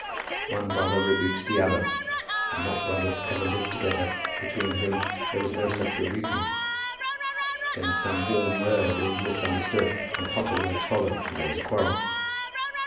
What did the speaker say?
One brother rebukes the other, and what brothers ever lived together between whom there was no such rebuking? then some warm word is misunderstood and hotter words follow and there is a quarrel.